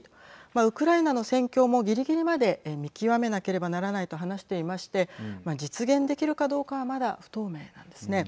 ウクライナの戦況もぎりぎりまで見極めなければならないと話していまして実現できるかどうかはまだ不透明なんですね。